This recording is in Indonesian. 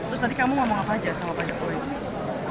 terus tadi kamu ngomong apa aja sama pak jokowi